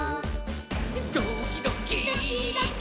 「ドキドキ」ドキドキ。